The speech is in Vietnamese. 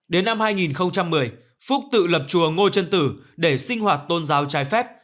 đến năm hai nghìn một mươi phúc tự lập chùa ngô trân tử để sinh hoạt tôn giáo trái phép